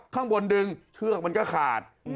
ข้างบนดึงเชือกมันก็ขาด